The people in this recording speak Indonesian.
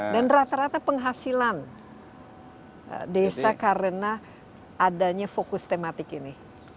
dan rata rata penghasilan desa karena adanya fokus tematik ini